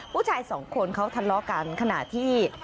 ผู้ชายสองคนเขาทะเลาะกันขณะที่